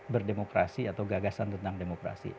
berdemokrasi atau gagasan tentang demokrasi